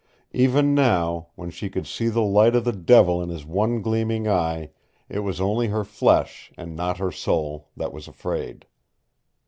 Even now, when she could see the light of the devil in his one gleaming eye, it was only her flesh and not her soul that was afraid.